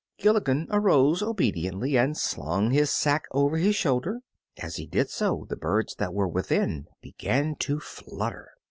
Gilligren arose obediently and slung his sack over his shoulder. As he did so the birds that were within began to flutter.